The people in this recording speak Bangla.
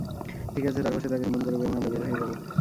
ঠিক আছে, তারপর সে তাকে চুম্বন করবে এবং আমরা বের হয়ে যাবো।